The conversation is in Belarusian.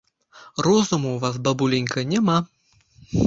Розуму ў вас, бабуленька, няма.